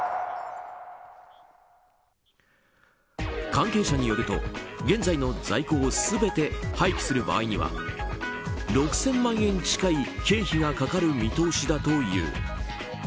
関係者によると、現在の在庫を全て廃棄する場合には６０００万円近い経費がかかる見通しだという。